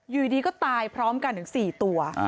อยู่ดีก็ตายพร้อมกันถึง๔ตัว